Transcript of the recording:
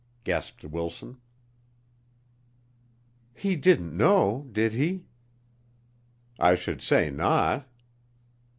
gasped Wilson. "He didn't know did he?" "I should say not."